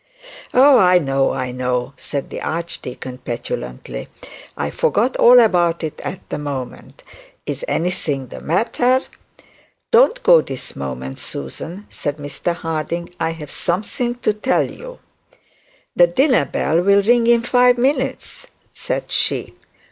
Oh, I know, I know,' said the archdeacon, petulantly. 'I forgot all about it at the moment. Is anything the matter?' 'Don't go at the moment, Susan,' said Mr Harding; 'I have something to tell you.' 'The dinner bell will ring in five minutes,' said she.